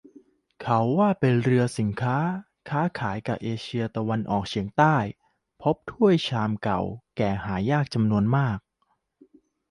เขาว่าเป็นเรือสินค้า ค้าขายกะเอเชียตะวันออกเฉียงใต้ พบถ้วยชามเก่าแก่หายากจำนวนมาก